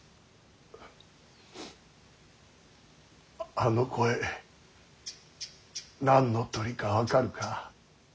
あの声何の鳥か分かるか。